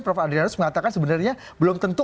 prof adrianus mengatakan sebenarnya belum tentu